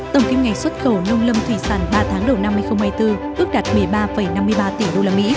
tổng kiếm ngày xuất khẩu nông lâm thủy sản ba tháng đầu năm hai nghìn hai mươi bốn ước đạt một mươi ba năm mươi ba tỷ usd